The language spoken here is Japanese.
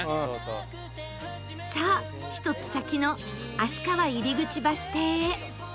さあ１つ先の芦川入口バス停へ